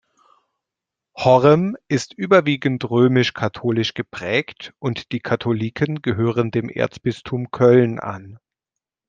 Horrem ist überwiegend römisch-katholisch geprägt und die Katholiken gehören dem Erzbistum Köln an.